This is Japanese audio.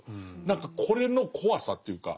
何かこれの怖さというか。